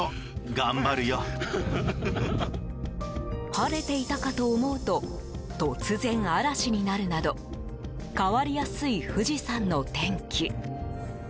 晴れていたかと思うと突然嵐になるなど変わりやすい富士山の天気。